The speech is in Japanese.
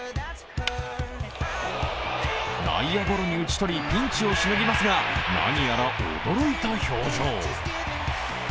内野ゴロに打ち取り、ピンチをしのぎますが、何やら驚いた表情。